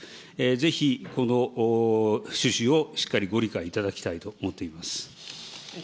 ぜひこの趣旨をしっかりご理解いただきと思っています。